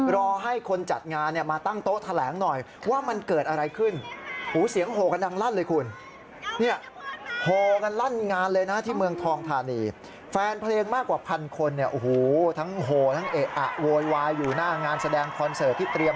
รอให้คนจัดงานมาตั้งโต๊ะแถลงหน่อย